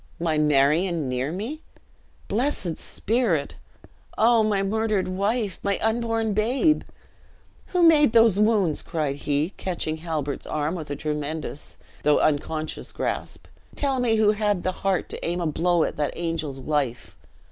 "My Marion near me! Blessed spirit! Oh, my murdered wife! my unborn babe! Who made those wounds?" cried he, catching Halbert's arm with a tremendous though unconscious grasp; "tell me who had the heart to aim a blow at that angel's life?"